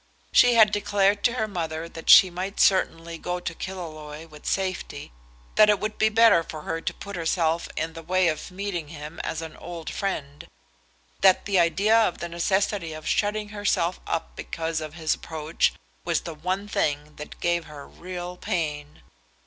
She had declared to her mother that she might certainly go to Killaloe with safety, that it would be better for her to put herself in the way of meeting him as an old friend, that the idea of the necessity of shutting herself up because of his approach, was the one thing that gave her real pain.